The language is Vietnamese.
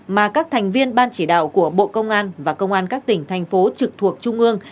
mà các thành viên ban chỉ đạo của bộ công an và công an các tỉnh thành phố trực thuộc trung ương